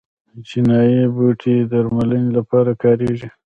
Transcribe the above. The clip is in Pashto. چینايي بوټي د درملنې لپاره کاریږي.